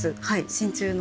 真鍮の。